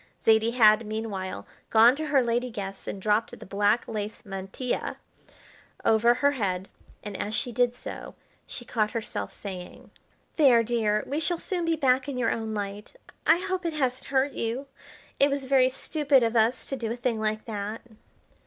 Zaidie had, meanwhile, gone to her lady guest and dropped the black lace mantilla over her head, and, as she did so, she caught herself saying: "There, dear, we shall soon be back in your own light. I hope it hasn't hurt you. It was very stupid of us to do a thing like that."